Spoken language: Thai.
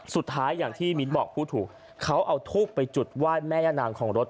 อย่างที่มิ้นบอกพูดถูกเขาเอาทูบไปจุดไหว้แม่ย่านางของรถ